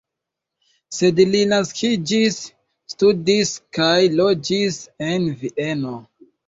Sed li naskiĝis, studis kaj loĝis en Vieno.